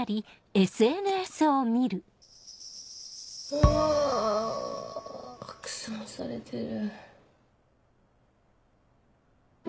うわ拡散されてる。